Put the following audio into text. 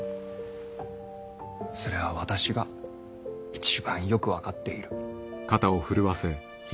それは私が一番よく分かっている。